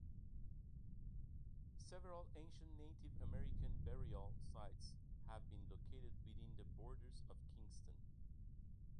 Several ancient Native American burial sites have been located within the borders of Kingston.